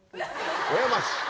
小山市。